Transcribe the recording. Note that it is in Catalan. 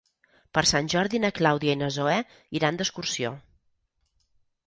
Per Sant Jordi na Clàudia i na Zoè iran d'excursió.